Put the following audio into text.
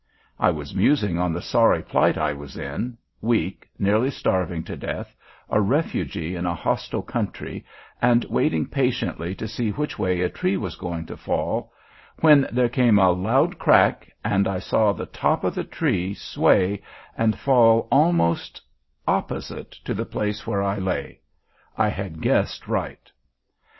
I was musing on the sorry plight I was in weak, nearly starving to death, a refugee in a hostile country and waiting patiently to see which way a tree was going to fall when there came a loud crack and I saw the top of the tree sway and fall almost opposite to the place where I lay! I had guessed right.